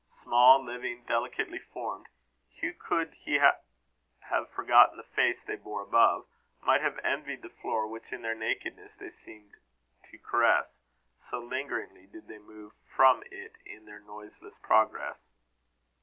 Small, living, delicately formed, Hugh, could he have forgot the face they bore above, might have envied the floor which in their nakedness they seemed to caress, so lingeringly did they move from it in their noiseless progress.